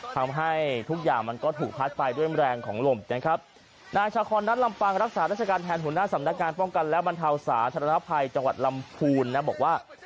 ทำให้ทุกอย่างมันก็ถูกพัดไปด้วยแรงของลมนะครับนายชาคอนนัดลำปางรักษาราชการแทนหัวหน้าสำนักงานป้องกันและบรรเทาสาธารณภัยจังหวัดลำพูนนะบอกว่า